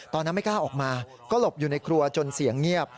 ตอนนั้นไม่กล้าออกมาก็หลบอยู่ในครัวจนเสียงเงียบ